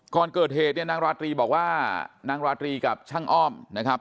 ก่อนเกิดเหตุเนี่ยนางราตรีบอกว่านางราตรีกับช่างอ้อมนะครับ